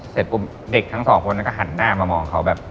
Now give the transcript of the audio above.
เสร็จเด็กทั้ง๒คนก็หันหน้ามามองเขาแบบ